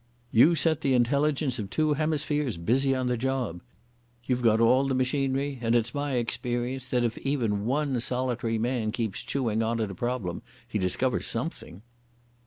You set the intelligence of two hemispheres busy on the job. You've got all the machinery, and it's my experience that if even one solitary man keeps chewing on at a problem he discovers something."